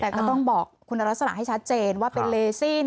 แต่ก็ต้องบอกคุณลักษณะให้ชัดเจนว่าเป็นเลซิน